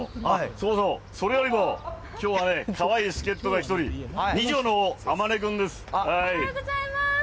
そうそう、それよりも、きょうはね、かわいい助っとが１人、次女の天音君です。